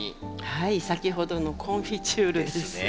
はい先ほどのコンフィチュールです。ですね。